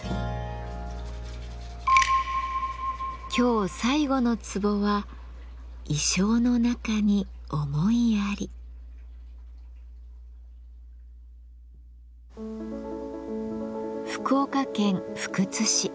今日最後のツボは福岡県福津市。